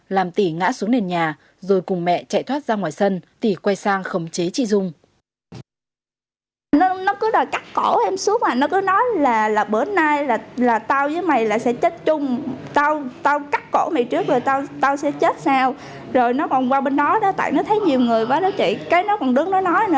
làm tỉ ngã xuống nền nhà rồi cùng mẹ chạy thoát ra ngoài sân thì quay sang khống chế chị dung